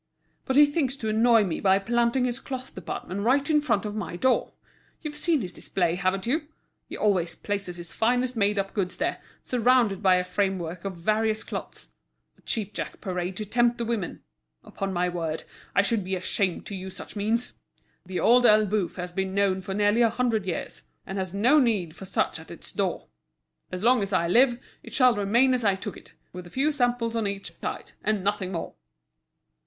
But he thinks to annoy me by planting his cloth department right in front of my door. You've seen his display, haven't you? He always places his finest made up goods there, surrounded by a framework of various cloths—a cheapjack parade to tempt the women. Upon my word, I should be ashamed to use such means! The Old Elbeuf has been known for nearly a hundred years, and has no need for such at its door. As long as I live, it shall remain as I took it, with a few samples on each side, and nothing more!"